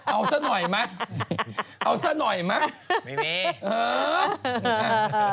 เอาซะหน่อยมั้งเอาซะหน่อยมั้งค่ะไม่มี